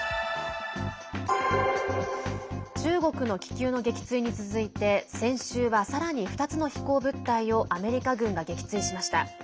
中国の気球の撃墜に続いて先週は、さらに２つの飛行物体をアメリカ軍が撃墜しました。